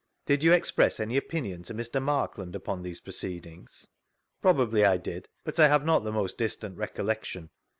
Did you express any opinion to Mr. Markland upon these proceedings ?— Probably I did; but I have not the most distant recollection.